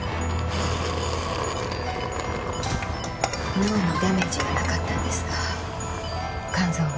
脳にダメージはなかったんですが肝臓が。